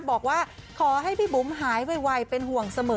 บอกว่าขอให้พี่บุ๋มหายไวเป็นห่วงเสมอ